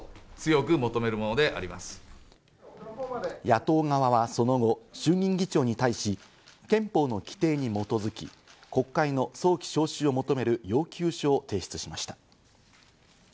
野党側はその後、衆議院議長に対し憲法の規定に基づき国会の早期召集を求める要求書を提出しました。